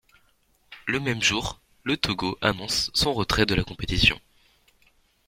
Le même jour, le Togo annonce son retrait de la compétition.